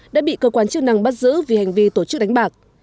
đã bị cơ quan chức năng bắt giữ vì hành vi tổ chức đánh bạc